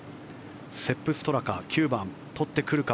セップ・ストラカ、９番取ってくるか。